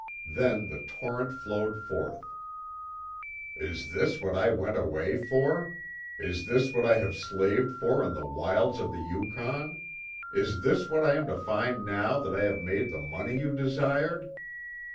Then the torrent flowed forth. "Is this what I went away for? Is this what I have slaved for in the wilds of the Yukon? Is this what I am to find now that I have made the money you desired?